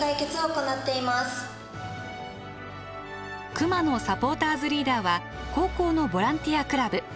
Ｋｕｍａｎｏサポーターズリーダーは高校のボランティアクラブ。